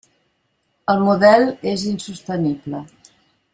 El model és insostenible.